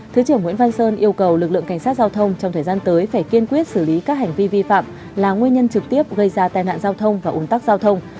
thứ trưởng nguyễn văn sơn yêu cầu lực lượng cảnh sát giao thông trong thời gian tới phải kiên quyết xử lý các hành vi vi phạm là nguyên nhân trực tiếp gây ra tai nạn giao thông và ủng tắc giao thông